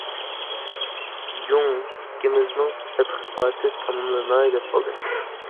جۇڭ ئىككىمىزنىڭ تەتقىقاتى تاماملىناي دەپ قالدى.